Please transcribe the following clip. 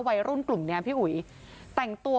วัยรุ่นกลุ่มเนี้ยพี่อุ๋ยแต่งตัว